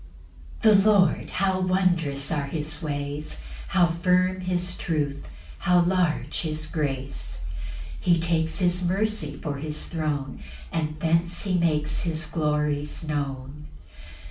1. The Lord, how wondrous are his ways: How firm his truth how large his grace; He takes his mercy for his throne, And thence he makes his glories known.